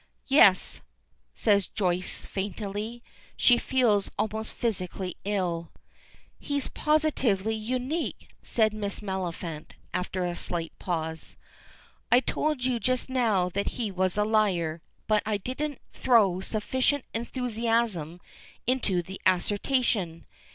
"Yes," says Joyce faintly. She feels almost physically ill. "He's positively unique," says Miss Maliphant, after a slight pause. "I told you just now that he was a liar, but I didn't throw sufficient enthusiasm into the assertion.